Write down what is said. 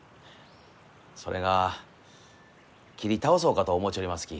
それが切り倒そうかと思うちょりますき。